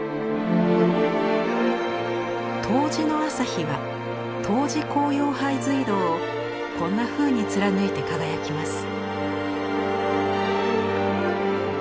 冬至の朝日は冬至光遥拝隧道をこんなふうに貫いて輝きます。